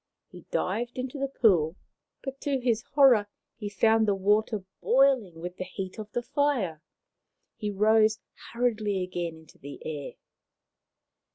He dived into the pool, but to his horror he found the water boiling with the heat of the fire. He rose hurriedly again into the air.